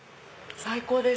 最高です。